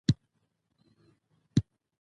په کار ده چې مونږ ټول يو موټی شو.